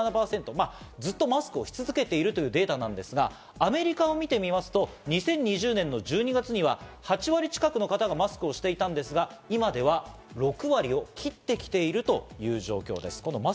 ずっとマスクをし続けているというデータですが、アメリカを見てみますと、２０２０年の１２月には８割近くの方がマスクをしていたんですが、今では６割を切ってきているという状況です。